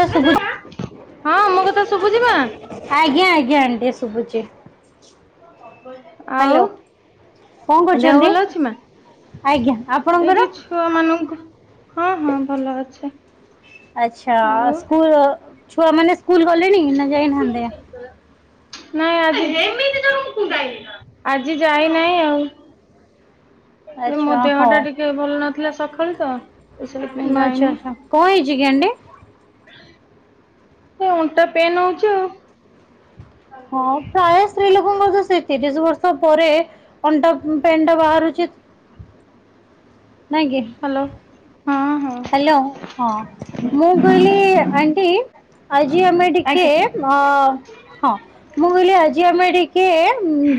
ଥା ଶୁଭୁ ହଁ ମୋ କଥା ଶୁଭୁଛି ମା ଆଜ୍ଞା ଆଜ୍ଞା ଆଣ୍ଟି ଶୁଭୁଛି। ଆଉ ହ୍ୟାଲୋ କଣ ଦେହ କରୁଛନ୍ତି ଭଲ ଅଛି ମା? ଆଜ୍ଞା ଆପଣ ଏଇଠି ଛୁଆ ମାନଙ୍କୁ ହଁ ହଁ ଭଲ ଅଛେ। ଆଛା ସ୍କୁଲ ଛୁଆ ମାନେ ସ୍କୁଲ ଗଲେଣି ନା ଯାଇନାହାନ୍ତି? ନାଇଁ ଆଜି ଆଜି ଯାଇ ନହିଁ ଆଉ। ଏ ମୋ ଆଚ୍ଛା ଦେହ ହଉ ଟା ଟିକେ ଭଲ ନଥିଲା ସକାଳୁ ତ। ସେଥିପାଇଁ ମା ଆଛା ଯାଇନି ଆଛା କଣ ହେଇଛି ଆଣ୍ଟି? ଏ ଅଣ୍ଟା ପେନ୍ ହଉଚି ଆଉ। ହଁ ପ୍ରାୟ ସ୍ତ୍ରୀ ଲୋକଙ୍କର ତ ସେ ତିରିଶ ବର୍ଷ ପରେ ଅଣ୍ଟା ପେନ୍ ଟା ବାହାରୁଛି। ନାଇଁ କି? ହ୍ୟାଲୋ ହଁ ହଁ। ହ୍ୟାଲୋ ହଁ। ମୁଁ କହିଲି ଆଣ୍ଟି ଆଜି ଆମେ ଟିକେ ଆଜ୍ଞା ଅ ହଁ। ମୁଁ କହିଲି ଆଜି ଆମେ ଟିକେ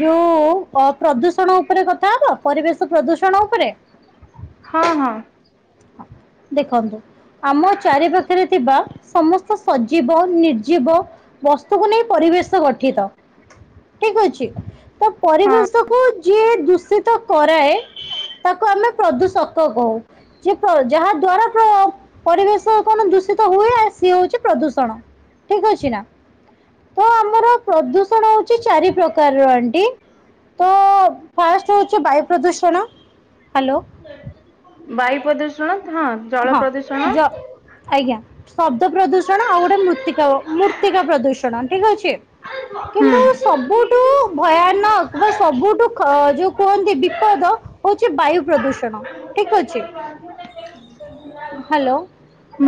ଯୋଉ ଅ ପ୍ରଦୂଷଣ ଉପରେ କଥା ହବା? ପରିବେଶ ପ୍ରଦୂଷଣ ଉପରେ? ହଁ ହଁ। ଦେଖନ୍ତୁ ଆମ ଚାରିପାଖରେ ଥିବା ସମସ୍ତ ସଜୀବ ନିର୍ଜୀବ ବସ୍ତୁକୁ ନେଇ ପରିବେଶ ଗଠିତ। ଠିକ ଅଛି ତ ହଁ ପରିବେଶ କୁ ଯିଏ ଦୂଷିତ କରାଏ। ତାକୁ ଆମେ ପ୍ରଦୂଷକ କହୁ। ଯେ ପ ଯାହା ଦ୍ଵାରା ପ ପରିବେଶ କଣ ଦୂଷିତ ହୁଏ। ସିଏ ହଉଛି ପ୍ରଦୂଷଣ ଠିକ ଅଛି ନା। ତ ଆମର ପ୍ରଦୂଷଣ ହଉଛି ଚାରି ପ୍ରକାରର ଆଣ୍ଟି। ତ ଫାଷ୍ଟ ହଉଛି ବାୟୁ ପ୍ରଦୂଷଣ ହ୍ୟାଲୋ। ବାୟୁ ପ୍ରଦୂଷଣ ହଁ। ଜଳ ହଁ ପ୍ରଦୂଷଣ ଯ ଆଜ୍ଞା ଶବ୍ଦ ପ୍ରଦୂଷଣ ଆଉ ଗୋଟେ ମୃତ୍ତିକା ମୃତ୍ତିକା ପ୍ରଦୂଷଣ ଠିକ୍ ଅଛି। କିନ୍ତୁ ସବୁଠୁ ଭୟାନକ ବା ହୁଁ ସବୁଠୁ କ ଯୋଉ କୁହନ୍ତି ବିପଦ ହଉଛି ବାୟୁ ପ୍ରଦୂଷଣ ଠିକ୍ ଅଛି। ହ୍ୟାଲୋ।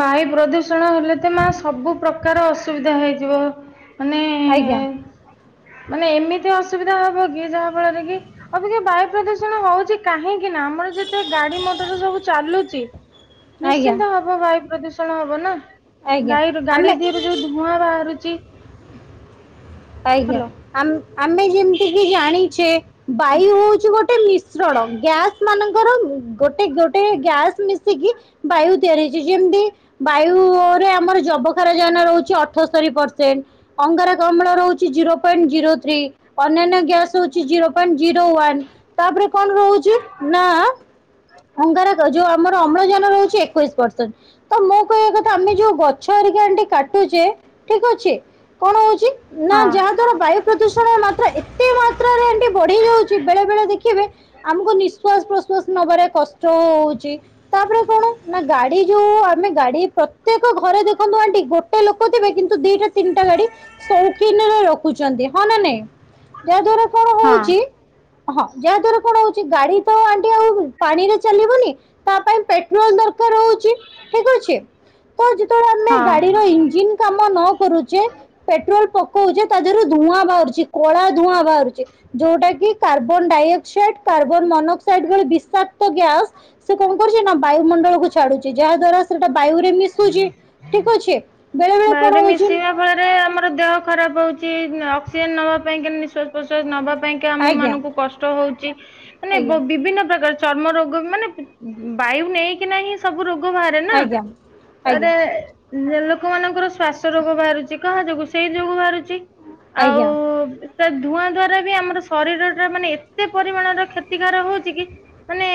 ବାୟୁ ପ୍ରଦୂଷଣ ହେଲେ ତ ମା ସବୁ ପ୍ରକାର ଅସୁବିଧା ହେଇଯିବ ମାନେ ଆଜ୍ଞା। ମାନେ ଏମିତି ଅସୁବିଧା ହବ କି ଯାହା ଫଳରେ ଅବିକା ବାୟୁ ପ୍ରଦୂଷଣ ହଉଚି କାହିଁକି ନା ଆମର ଯେତେ ଗାଡି ମଟର ସବୁ ଚାଲୁଚି ଆଜ୍ଞା ନିଶ୍ଚିନ୍ତ ହବ ବାୟୁ ପ୍ରଦୂଷଣ ହବ ନା ଆଜ୍ଞା ଗାଈରୁ ଗାଡି ଆମେ ଦେହରୁ ଯୋଉ ଧୂଆଁ ବାହାରୁଛି। ଆଜ୍ଞା ହ୍ୟାଲୋ ଆମ୍ ଆମେ ଯେମିତି କି ଜାଣିଛେ ବାୟୁ ହଉଛି ଗୋଟେ ମି ଶ୍ରଣ ଗ୍ୟାସ ମାନଙ୍କର ଗୋଟେ ଗୋଟେ ଗ୍ୟାସ ମିଶିକି ବାୟୁ ତିଆରି ହେଇଛି ଯେମିତି ବାୟୁରେ ଆମର ଜବ କ୍ଷାରଯାନ ରହୁଛି ଅଠସ୍ତରୀ ପରସେଣ୍ଟ ଅଙ୍ଗାରକାମ୍ଳ ରହୁ ହଉଛି ଜିରୋ ପଏଣ୍ଟ ଜିରୋ ଥ୍ରି ଅନ୍ୟାନ୍ୟ ଗ୍ୟାସ ହଉଛି ଜିରୋ। ଜିରୋ ୱାନ ତାପରେ କଣ ରହୁଛି ନା ଅଙ୍ଗାର ଯୋଉ ଆମର। ଅମ୍ଳଜାନ ରହୁଛି ଏକୋଇଶ ପରସେଣ୍ଟ ତ ମୁଁ। କହିବା କଥା ଆମେ ଯୋଉ ଗଛ ଏରିକା ଏମିତି କାଟୁଛେ ଠିକ୍ ଅଛି କଣ ହଉଛି। ନା ହଁ ଯାହା ଦ୍ଵାରା ବାୟୁ ପ୍ରଦୂଷଣ ମାତ୍ରା ଏତେ ମାତ୍ରାରେ ଏଠି ବଢି ଯାଉଛି ବେଳେ ବେଳେ ଦେଖିବେ। ଆମକୁ ନିଶ୍ବାସ ପ୍ରଶ୍ଵାସ ନବାରେ କଷ୍ଟ ହଉଛି। ତାପରେ କଣ ନା ଗାଡି ଯୋଉ ଆମେ ଗାଡି ପ୍ରତ୍ୟେକ ଘରେ ଦେଖନ୍ତୁ ଆଣ୍ଟି ଗୋ। ଟେ ଲୋକ ଥିବେ କିନ୍ତୁ ଦିଟା ତିନି ଟା ଗାଡି଼। କ୍ଷୀନରେ ରଖୁଛନ୍ତି ହଁ ନା ନାଇଁ ଯାହା ଦ୍ୱରା କଣ ହଁ ହଉଛି। ହଁ ଯାହାଦ୍ୱାରା କଣ ହଉଛି ଗାଡି ତ ଆଣ୍ଟି ଆଉ ପାଣିରେ ଚାଲିବନି। ତା ପାଇଁ ପେଟ୍ରୋଲ ଦରକାର ହଉଛି ଠିକ୍ ଅଛି। ତ ଯେତେବେଳେ ଆମେ ହଁ। ଗାଡିର ଇଞ୍ଜିନ୍ କାମ ନ କରୁଛେ ପେଟ୍ରୋଲ ପ। କହୁଛେ ତା ଦେହରୁ ଧୂଆଁ ବାହାରୁଛି କଳା ଧୂଆଁ ବାହାରୁଛି। ଯୋଉଟା କି କାର୍ବନ ଡାଇଅକ୍ସାଇଡ କାର୍ବନ ମନୋକ୍ସାଇଡ ଭଳି ବିଷାକ୍ତ ଗ୍ୟାସ। ସେ କଣ କରୁଛି ନା ବାୟୁମଣ୍ଡଳ କୁ ଛାଡୁଛି ଯାହା ଦ୍ଵାରା ସେଟା ବାୟୁ ରେ ମିଶୁଛି ଠିକ ଅଛି। ବେଳେ ବେଳେ କଣ ବାୟୁରେ ହଉଛି ମିଶେଇବା ଫଳରେ ଆମର ଦେହ ଖରାପ ହଉଛି ଅକ୍ସିଜେନ୍ ନବା ପାଇଁ କେ ନିଶ୍ବାସ। ପ୍ରଶ୍ୱାସ ନବା ପାଇଁକା ଆମ ଆଜ୍ଞା ମାନଙ୍କୁ କଷ୍ଟ ହଉଛି ମାନେ ଆଜ୍ଞା ବିଭିନ୍ନ ପ୍ରକାର। ଚର୍ମ ରୋଗ ମାନେ ବାୟୁ ନେଇକିନାହିଁ। ସବୁ ରୋଗ ବାହାରେ ଆଜ୍ଞା ଆଜ୍ଞା ନାରେ ଲୋକମାନଙ୍କର ଶ୍ଵାସ ରୋଗ ବାହାରୁଛି। କାହା ଯୋଗୁ ସେଇ ଯୋଗୁ ବାହାରୁଛି ଆଉ। ଆଜ୍ଞା ତା ଧୂଆଁ ଦ୍ଵାରା ବି ଆମର ଶରୀର ଟା ମାନେ ଏତେ ପରିମାଣର କ୍ଷତିକାର ହଉଛି କି। ମାନେ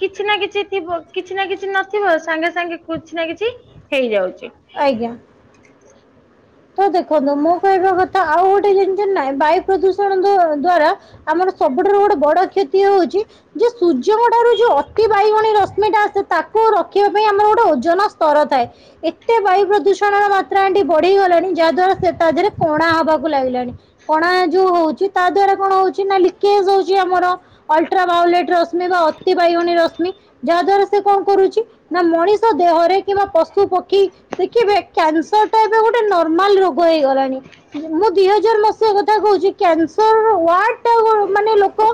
କିଛି ନା କିଛି ଥିବ କିଛି ନା କିଛି ନଥିବ ସାଙ୍ଗେ ସାଙ୍ଗେ କିଛି ନା କିଛି। ହେଇଯାଉଛି। ଆଜ୍ଞା। [unintelligible] ତ ଦେଖନ୍ତୁ ମୁଁ କହିବା କଥା ଆଉ ଗୋଟେ ଜିନିଷ ନାହିଁ ବାୟୁ ପ୍ରଦୂଷଣ ଦ୍ଵାରା। ଆମର ସବୁଠାରୁ ଗୋଟେ ବଡ କ୍ଷତି ହଉଛି। ଯେ ସୂର୍ଯ୍ୟଙ୍କ ଠାରୁ ଯୋଉ ଅତି ବାଇଗଣୀ ରଶ୍ମିଟା ଆସେ ତାକୁ ରଖିବା ପାଇଁ ଆମର ଗୋଟେ ଓଜନ ସ୍ତର ଥାଏ। ଏତେ ବାୟୁ ପ୍ରଦୂଷଣର ମାତ୍ରା ଆଣ୍ଟି ବଢିଇଗଲାଣି। ଯାହା ଦ୍ଵାରା ସେ ତା ଦେହରେ କଣା ହବାକୁ ଲାଗିଲାଣି କଣା ଯୋଉ ହଉଛି ତା ଦ୍ଵାରା କଣ ହଉଛି ନା। ଲିକେଜ୍ ହଉଛି ଯଉଛି ଆମର। ଅଲଟ୍ରାଭାଓଲେଟ୍ ରଶ୍ମି ବା ଅତି ବାଇଗଣୀ ରଶ୍ମି ଯାହା ଦ୍ଵାରା ସେ କଣ କରୁଛି। ନା ମଣିଷ ଦେହରେ କିମ୍ବା ପଶୁ ପକ୍ଷୀ ଦେଖିବେ କ୍ୟାନସର ଟା ଏବେ ଗୋଟେ ନ। ନର୍ମାଲ ରୋଗ ହେଇଗଲାଣି। ମୁଁ ଦି ହଜାର ମସିହା କଥା କହୁଛି କ୍ୟାନ୍ସର ୱାଡ ଟା ଲୋକ।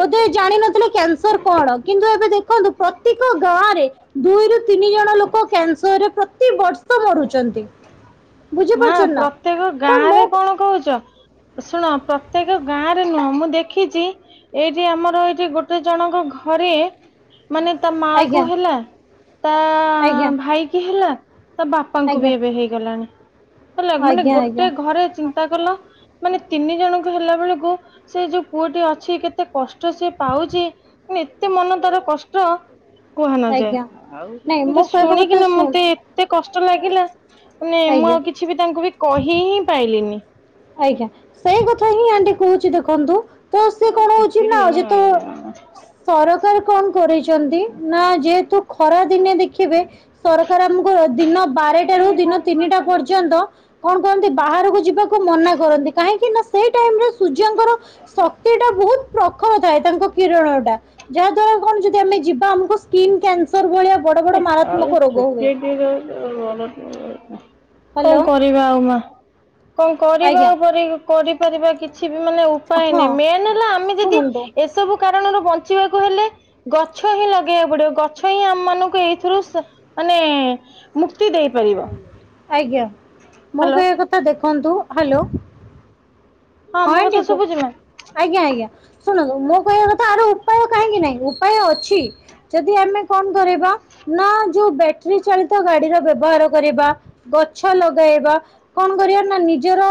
ବୋଧେ ଜାଣିିନଥିଲେ କ୍ୟାନସର କଣ କିନ୍ତୁ ଏବେ ଦେଖନ୍ତୁ ପ୍ରତ୍ୟେକ ଗାଁରେ। ଦୁଇରୁୁ ତିନି ଜଣ ଲୋକ କ୍ୟାନସରରେ ପ୍ରତି ବର୍ଷ ମରୁଛନ୍ତି। ମା ବୁଝିପାରୁଛନ୍ତି ନା ପ୍ରତ୍ୟେକ ତ ଗାଁ ମୋ ରେ କଣ କହୁଛ। ଶୁଣ ପ୍ରତ୍ୟେକ ଗାଁ ରେ ନୁହଁ ମୁଁ ଦେଖିଛି। ଏଇଠି ଆମର ଏଇଠି ଗୋଟେ ଜଣଙ୍କ ଘରେ। ମାନେ ତା ମା କୁ ଆଜ୍ଞା ହେଲା ତା ଆଜ୍ଞା ଭାଇ କିି ହେଲା। ତା ବାପାଙ୍କୁ ବି ଆଜ୍ଞା ଏବେ ହେଇଗଲାଣି ମାନେ ଆଜ୍ଞା ଗୋଟେ ଆଜ୍ଞା ଘରେ ଚିନ୍ତା କଲ। ମାନେ ତିନି ଜଣଙ୍କୁ ହେଲା ବେଳକୁ ସେ ଯୋଉ ପୁଅଟି ଅଛି କେତେ କଷ୍ଟ ସେ ପାଉଛି। ଏତେ ମନ ତାର କଷ୍ଟ। କୁହ ଆଜ୍ଞା ନାଇଁ ମୋ ନଯାଏ କହିବା କଥା ଶୁଣିକିନା ଶୁଣ ମତେ। ଏତେ କଷ୍ଟ ଲାଗିଲା ମାନେ ମୁଁ ଆଜ୍ଞା ଆଉ କିଛି ବି ତାଙ୍କୁ ବି କହି ହିଁ ପାଇଲିନି। ଆଜ୍ଞା ସେଇ କଥା ହିଁ ଆଣ୍ଟି କହୁଛି ଦେଖନ୍ତୁ। ତ ସେ କଣ ହଉଛି ନା ଆଜି ତ ସରକାର କଣ। କରିଛନ୍ତି ନା ଯେହେତୁ ଖରା ଦିନେ ଦେଖିବେ। ସରକାର ଆମକୁ ଏ ଦିନ ବାରଟା ରୁ ଦିନ ତିନିଟା ପର୍ଯ୍ୟନ୍ତ। କଣ କରନ୍ତି ବାହାରକୁ ଯିବାକୁ ମନା କରନ୍ତି। କାହିଁକି ନା ସେଇ ଟାଇମ୍ ରେ ସୂର୍ଯ୍ୟଙ୍କର ଶକ୍ତି ଟା ବହୁତ ପ୍ରଖର ଥାଏ। ତାଙ୍କ କିରଣ ଟା। ଯାହା ଦ୍ଵାରା କଣ ଯଦି ଆମେ ଯିବା ଆମକୁ ସ୍କିନ୍ କ୍ୟାନ୍ସର ଭଳିଆ ବଡ ବଡ ଆଉ ମାରାତ୍ମକ ରୋଗ ହୁଏ। ଛୋଟିଆ [unintelligible] କଣ ହ୍ୟାଲୋ କରିବା ଆଉ ମା? କଣ କରିବା ଆଜ୍ଞା ପରି କରିପାରିବା କିଛି ବି ମାନେ ଉପାୟ ହଁ ନାହିଁ। ମେନ୍ ହେଲା ଆମେ ଯଦି ଶୁଣନ୍ତୁ ଏସବୁ କାରଣରୁ ବଞ୍ଚିବାକୁ ହେଲେ ଗଛ ହିଁ ଲଗେଇବାକୁ ପଡିବ। ଗଛ ହିଁ ଆମ ମାନଙ୍କୁ ଏଇଥିରୁ ସ ମାନେ ମୁକ୍ତି ଦେଇପାରିବ। ହାଲୋ। ସାର୍ ଦେଖନ୍ତୁ ହାଲୋ। ହଁ [unintelligible] ମୋ କଥା ଶୁଭୁଛି ମା? ଆଜ୍ଞା ଆଜ୍ଞା। ଶୁଣନ୍ତୁ ମୁଁ କହିବା କଥା ଆରୁ ଉପାୟ କାହିଁକି ନାହିଁ, ଉପାୟ ଅଛି। ଯଦି ଆମେ କଣ କରିବା ନା ଯୋଉ ବ୍ୟାଟେରୀ ଚାଳିତ ଗାଡିର ବ୍ୟବହାର କରିବା ଗଛ ଲଗେଇବା। କଣ କରିବା ନା ନିଜର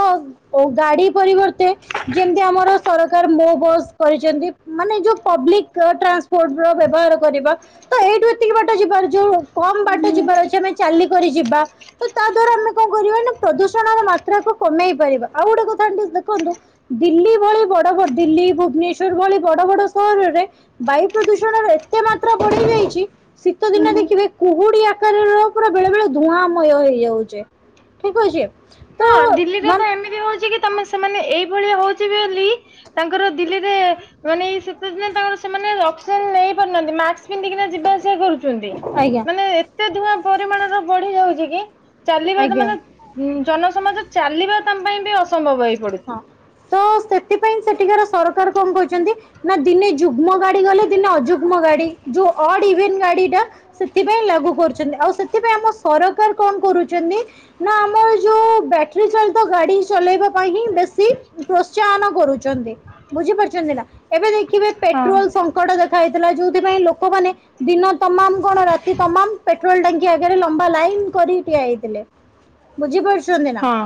ଓ ଗାଡି ପରିବର୍ତ ତେ ଯେମିତି ଆମର ସରକାର ମୋ ବସ୍ କରିଚନ୍ତି। ମାନେ ଯୋଉ ପବ୍ଲିକ୍ ଟ୍ରାନ୍ସ ପୋର୍ଟ ର ବ୍ୟବହାର କରିବା। ତ ଏଇଠୁ ଏତିକି ବାଟ ଯିବାର ଯୋଉ କମ୍ ବାଟ ଯିବାର ଅଛି ଆମେ ଚାଲିକରି ଯିବା। ତ ତା ଦ୍ଵାରା ଆମେ କଣ କରିବା ନା ପ୍ରଦୂଷଣର ମାତ୍ରାକୁ କମେଇ ପାରିବା। ଆଉ ଗୋଟେ କଥା ଆଣ୍ଟି ଦେଖନ୍ତୁ, ଦିଲ୍ଲୀ ଭଳି ବଡ ବଡ ଦିଲ୍ଲୀ, ଭୁବନେଶ୍ୱର ଭଳି ବଡ ବଡ ସହରରେ ବାୟୁ ପ୍ରଦୂଷଣର ଏତେ ମାତ୍ରା ବଢି ଯାଇଚି ଶୀତ ଦିନ ଦେଖିବେ କୁହୁଡି ଆ କାରଣ ରୁ ପୁରା ବେଳେ ବେଳେ ଧୂଆଁମୟ ହେଇଯାଉଚି। ଠିକ୍ ଅଛି। ତ ମ୍ୟାମ୍ ତା ମାନେ ସେମାନେ ଏଇଭଳିଆ ହଉଚି ବୋଲି ତାଙ୍କର ଦିଲ୍ଲୀରେ ମାନେ ଏଇ ଶୀତ ଦିନେ ତାଙ୍କର ସେମାନେ ଅକ୍ସିଜେନ୍ ନେଇ ପାରୁନାହାନ୍ତି। ମାସ୍କ ପିନ୍ଧିକିନା ଯିବା ଆସିବା କରୁ ଚନ୍ତି। ଆଜ୍ଞା ମାନେ ଏତେ ଧୂଆଁ ପରିମାଣ ର ବଢି ଯାଉଚି କି ଚାଲିବା ତ ଆଜ୍ଞା। ମାନେ ଉଁ ଜନସମାଜ ଚାଲିବା ତାଙ୍କ ପାଇଁ ବି ଅସମ୍ଭବ ହଁ ହୋଇପଡୁଚି। ତ ସେଥିପାଇଁ ସେଠିକାର ସରକାର କଣ କରୁଛନ୍ତି ନା ଦିନେ ଯୁଗ୍ମ ଗାଡି ଗଲେ ଦିନେ ଅଯୁଗ୍ମ ଗାଡି ଯୋଉ ଅଡ୍ ଇଭିନ୍ ଗାଡ଼ି କ୍ୟା ସେଥିପାଇଁ ଲାଗୁ କରୁଚନ୍ତି। ଆଉ ସେଥିପାଇଁ ଆମ ସରକାର କଣ କରୁଚନ୍ତି ବ୍ୟାଟେରୀ ଚାଳିତ ଗାଡି ଚଲେଇବା ପାଇଁ ହିଁ ବେଶୀ ପ୍ରୋତ୍ସାହନ କରୁଚନ୍ତି। ବୁଝିପାରୁଛନ୍ତି ନା। ଏବେ ଦେଖିବେ ହଁ ପେଟ୍ରୋଲ୍ ସ ସଙ୍କଟ ଦେଖା ହେଇଥିଲା। ଯୋଉଥି ପାଇଁ ଲୋକମାନେ ଦିନ ତମାମ୍ କଣ ରାତି ତମାମ୍ ପେଟ୍ରୋଲ ଟାଙ୍କି ଆଗରେ ଲମ୍ବା ଲାଇନ୍ କରି ଠିଆ ହେଇଥିଲେ। ବୁଝିପାରୁୁଛନ୍ତି ନା? ହଁ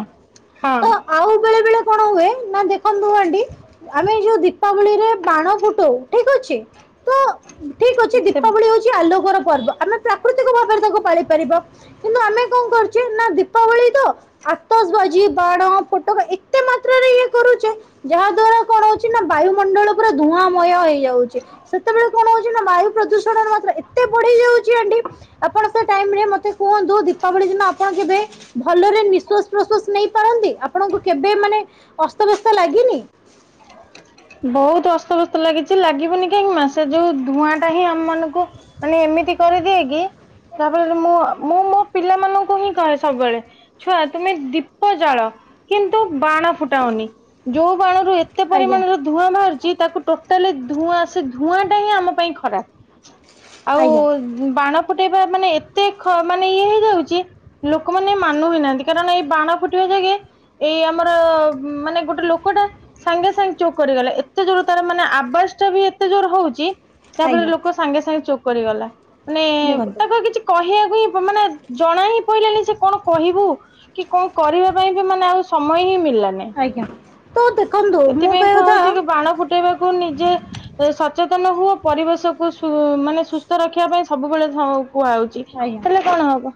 ହଁ। ତ ଆଉ ବେଳେ ବେଳେ କଣ ହୁଏ ନା ଦେଖନ୍ତୁ ଆଣ୍ଟି ଆମେ ଏ ଯୋଉ ଦୀପାବଳିରେ ବାଣ ଫୁଟଉ ଠିକ୍ ଅଛି। ତ ଠିକ୍ ଅଛି ସେ ଦୀପାବଳି ହଉଚି ଆଲୋକର ପର୍ବ। ଆମେ ପ୍ରାକୃତିକ ଭାବରେ ତାକୁ ପାଳି ପାରିବା। କିନ୍ତୁ ଆମେ କଣ କରୁଚେ ନା ଦି ଦୀପାବଳି ତ ଆତସ୍ ବାଜି, ବାଣ, ଫୋଟକା ଏତେ ମାତ୍ରାରେ ଇଏ କରୁଚେ ଯାହା ଦ୍ଵାରା କଣ ହଉଚି ନା ବାୟୁମଣ୍ଡଳ ପୁରା ଧୂଆଁମୟ ହେଇଯାଉଚି। ସେତେବେଳେ କଣ ହଉଚି ନା ବାୟୁ ପ୍ରଦୂଷଣର ମାତ୍ରା ଏତେ ବଢି ଯାଉଚି ଆଣ୍ଟି ଆପଣ ଙ୍କ ଟାଇମ୍ ରେ ମତେ କୁହନ୍ତୁ ଦୀପାବଳି ଦିନ ଆପଣ କେବେ ଭଲରେ ନିଶ୍ଵାସ ପ୍ରଶ୍ଵାସ ନେଇ ପାରନ୍ତି? ଆପଣଙ୍କୁ କେବେ ମାନେ ଅସ୍ତବ୍ୟସ୍ତ ଲାଗିନି? ବହୁତ ଅସ୍ତବ୍ୟସ୍ତ ଲାଗିଚି ଲାଗିବନି କାହିଁକି ମା। ସେ ଯୋଉ ଧୂଆଁ ଟା ହିଁ ଆମ ମାନଙ୍କୁ ମାନେ ଏମିତି କରିଦିଏ କି, ତାପରେ ମୋ ମୁଁ ମୁଁ ମୋ ପିଲା ମାନଙ୍କୁ ହିଁ କହେ ସବୁବେଳେ ଛୁଆ ତୁମେ ଦୀପ ଜାଳ। କିନ୍ତୁ ବାଣ ଫୁଟାଓନି। ଯୋଉ ବାଣରୁ ଏତେ ଆଜ୍ଞା ପରିମାଣର ଧୂଆଁ ବାହାରୁଚି ତାକୁ ଟୋଟାଲି ଧୂଆଁ ସେ ଧୂଆଁ ଟା ହିଁ ଆମ ପାଇଁ ଖରାପ। ଆଉ ଆଜ୍ଞା ବାଣ ଫୁଟେଇବା ମାନେ ଏତେ ଖ ମାନେ ଇଏ ହେଇଯାଉଚି ଲୋକମାନେ ମାନୁ ହିଁ ନାହାନ୍ତି କାରଣ ଏଇ ବାଣ ଫୁଟିବା ଯାଗେ ଏଇ ଆମର ମାନେ ଗୋଟେ ଲୋକଟା ସାଙ୍ଗେ ସାଙ୍ଗେ ଚୋ କରିଗଲା ଏତେ ଜୋର ତାର ମାନେ ଆବାଜ ଟା ବି ଏତେ ଜୋର ହଉଛି ଯାହା ଫରେ ଆଜ୍ଞା ଲୋକ ସାଙ୍ଗେ ସାଙ୍ଗେ ଚୋକ୍ କରି ଗଲା ମାନେ ଦେଖନ୍ତୁ ତାକୁ ଆ କିଛି କହିବାକୁ ହିଁ ମାନେ ଜଣା ହିଁ ପଇଲାନି ସେ କଣ କହିବୁ କି କଣ କରିବା ପାଇଁ ବି ମାନେ ଆଉ ସମୟ ହିଁ ମିଳିଲାନି। ଆଜ୍ଞା ତ ଦେଖନ୍ତୁ ମୁଁ କହି କଉଛି କି ବାଣ ଫୁଟେଇବାକୁ ନିଜେ ସଚେତନ ହୁଅ ପରିବେଶକୁ ମାନେ ସୁସ୍ଥ ରଖିବା ପାଇଁ ସବୁବେଳେ କୁହାଯାଉଛି। ଆଜ୍ଞା। ଲେ କଣ ହବ?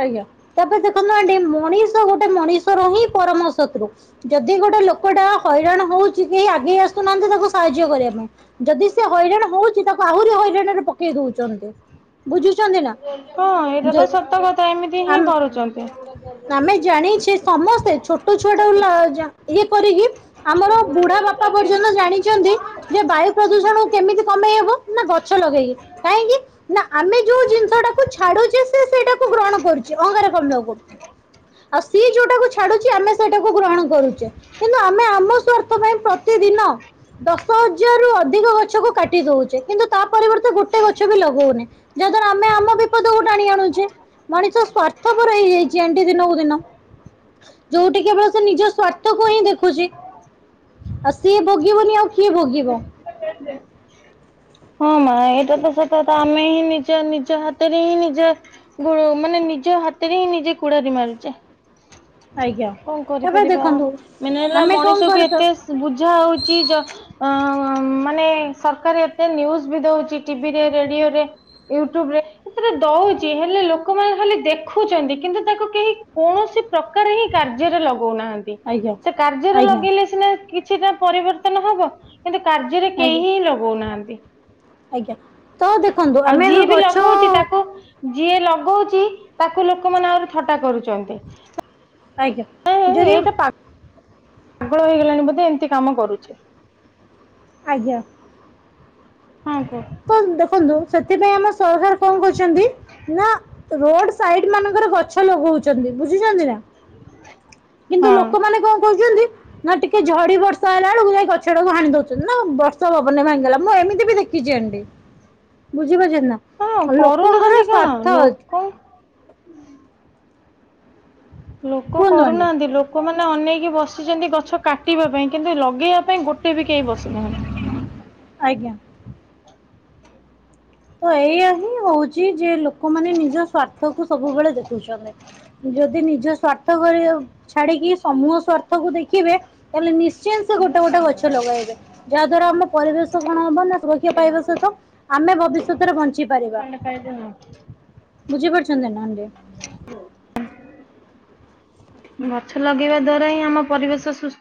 ଆଜ୍ଞା ତାପରେ ଦେଖନ୍ତୁ ଆ ମଣିଷ ଗୋଟେ ମଣିଷର ହିଁ ପରମ ଶତ୍ରୁ। ଯଦି ଗୋଟେ ଲୋକଟା ହଇରାଣ ହଉଛି କେହି ଆଗେଇ ଆସୁନାହାନ୍ତି ତାକୁ ସାହାଯ୍ୟ କରିବା ପାଇଁ। ଯଦି ସେ ହଇରାଣ ହଉଛି ତାକୁ ଆହୁରି ହଇରାଣରେ ପକେଇ ଦଉଛନ୍ତି। ବୁଝୁଛନ୍ତି ନା ହଁ ଏଇଟା ତ ଯ ସତ କଥା ଏମିତି ଆ ହିଁ କରୁଛନ୍ତି। ଆମେ ଜାଣିଛେ ସମସ୍ତେ ଛୋଟ ଛୁଆଟା [unintelligible] ଇଏ କରିକି ଆମର ବୁଢା ବାପା ପର୍ଯ୍ୟନ୍ତ ଜାଣିଛନ୍ତି ଯେ ବାୟୁ ପ୍ରଦୂଷଣକୁ କେମିତି କମେଇ ହବ ନା ଗଛ ଲଗେଇକି କାହିଁକି ନା ଆମେ ଯୋଉ ଜିନିଷ ଟାକୁ ଛାଡୁଛେ ସେ ସେ [inaudible] ଅଙ୍ଗ [unintelligible] ଆଉ ସିଏ ଯୋଉଟାକୁ ଛାଡୁଛି ଆମେ ସେ ଟାକୁ ଗ୍ରହଣ କରୁଛେ କିନ୍ତୁ ଆମେ ଆମ ସ୍ଵାର୍ଥ ପାଇଁ ପ୍ରତିଦିନ ଦଶ ହଜାର ରୁ ଅଧିକ ଗଛକୁ କାଟି ଦଉଛେ କିନ୍ତୁ ତା ପରିବର୍ତ୍ତେ ଗୋଟେ ଗଛ ବି ଲଗଉନେ। ଯାହାଦ୍ୱାରା ଆମେ ଆମ ବିପଦ କୁ ଟାଣି ଆଣୁଛେ। ମଣିଷ ସ୍ଵାର୍ଥପର ହେଇଯାଇଛି ଏଣ୍ତି ଦିନକୁ ଦିନ। ଯୋଉଠି କେବଳ ସେ ନିଜ ସ୍ଵାର୍ଥକୁ ହିଁ ଦେଖୁଛି। ଆଉ ସିଏ ଭୋଗିବନି ଆଉ କିଏ ଭୋଗିବ? ହଁ ମା ଏଇଟା ତ ସତ ତ ଆମେ ହିଁ ନିଜ ନିଜ ହାତରେ ହିଁ ନିଜ ଗ ମାନେ ନିଜ ହାତରେ ହିଁ ନିଜେ କୁଡାରି ମାରୁଛେ। ଆଜ୍ଞା କଣ ତାପରେ କରିପାରିବା ଆଉ ଦେଖନ୍ତୁ ମାନେ ହେଲା ଆମେ କଣ ମଣିଷକୁ କରିପାରୁ ଏତେ ବୁଝା ହଉଚି ଯ ଅ ମାନେ ସରକାର ଏତେ ନ୍ୟୁଜ ବି ଦଉଛି ଟିଭିରେ ରେଡିଓ ରେ ୟୁଟ୍ୟୁବ ରେ ସେଟା ଦଉଛି ହେଲେ ଲୋକମାନେ ଖାଲି ଦେଖୁଛନ୍ତି କିନ୍ତୁ ତାକୁ କେହି କୌଣସି ପ୍ରକାର ହିଁ କାର୍ଯ୍ୟରେ ଲଗଉନାହାନ୍ତି ଆଜ୍ଞା ସେ କାର୍ଯ୍ୟରେ ଆଜ୍ଞା ଲଗେଇଲେ ସିନା କିଛିଟା ପରିବର୍ତ୍ତନ ହବ। କିନ୍ତୁ କାର୍ଯ୍ୟରେ କେହି ଆଜ୍ଞା ହିଁ ଲଗଉନାହାନ୍ତି। ଆଜ୍ଞା ତ ଦେଖନ୍ତୁ ଆଉ ଆମେ ଯିଏ ବି ଗଛ ଲଗଉଛି ତାକୁ ଯିଏ ଲଗଉଛି ତାକୁ ଲୋକମାନେ ଆହୁରି ଥଟା କରୁଛନ୍ତି। ଆଜ୍ଞା ଯଦି ଏଇଟା ପାଗଳ ହେଇଗଲାଣି ବୋଧେ ଏମିତି କାମ କରୁଛି। ଆଜ୍ଞା। ହଁ କୁହ। ତ ଦେଖନ୍ତୁ ସେଥିପାଇଁ ଆମ ସରକାର କଣ କରୁଛନ୍ତି ନା ରୋଡ ସାଇଡ୍ ମାନଙ୍କର ଗଛ ଲଗଉଛି। ବୁଝୁଛନ୍ତି ନା କିନ୍ତୁ ହଁ। ଲୋକମାନେ କଣ କହୁଛନ୍ତି ନା ଟିକେ ଝଡି ବର୍ଷା ହେଲା ବେଳକୁ ଯାଇ ଗଛଟାକୁ ହାଣି ଦେଉଛନ୍ତି ନା ବର୍ଷ ପବନରେ ଭାଙ୍ଗିଗଲା ମୁଁ ଏମିତି ବି ଦେଖି [unintelligible] ବୁଝିପାରୁଚ ନା ହଁ ଲୋକଙ୍କର କରୁନାହାନ୍ତି କଣ ସ୍ଵାର୍ଥ ଅ ଲୋକ ଲୋକ କୁହନ୍ତୁ ଆଣ୍ଟି କରୁନାହାନ୍ତି ଲୋ ଲୋକମାନେ ଅନେଇକି ବସିଛନ୍ତି ଗଛ କାଟିବା ପାଇଁ କିନ୍ତୁ ଲଗେଇବା ପାଇଁ ଗୋଟେ ବି କେହି ବସିନାହାନ୍ତି। ଆଜ୍ଞା। ତ ଏଇଆ ହିଁ ହଉଚି ଯେ ଲୋକମାନେ ନିଜ ସ୍ଵାର୍ଥ କୁ ସବୁବେଳେ ଦେଖୁଛନ୍ତି। ଯଦି ନିଜ ସ୍ଵାର୍ଥ ଘଳିଅ ଛାଡିକି ସମୂହ ସ୍ଵାର୍ଥକୁ ଦେଖିବେ ତାହେଲେ ନିଶ୍ଚୟ ସେ ଗୋଟେ ଗୋଟେ ଗଛ ଲଗାଇବେ। ଯାହା ଦ୍ଵାରା ଆମ ପରିବେଶ କଣ ହବ ନା ସୁରକ୍ଷିତ ଈବା ସହିତ ଆମେ ଭବି ଖିତରେ ବଞ୍ଚି ପାରିବା ବୁଝିପାରୁଚନ୍ତି ନାହାଡି? [inaudible] ଗଛ ଲଗେଇବା ଦ୍ଵାରେ ଆମ ପରିବେଶ ସୁସ୍